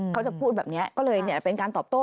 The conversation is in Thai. เขาจะพูดแบบนี้ก็เลยเป็นการตอบโต้